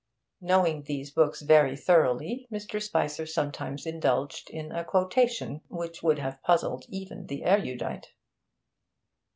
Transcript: Knowing these books very thoroughly, Mr. Spicer sometimes indulged in a quotation which would have puzzled even the erudite.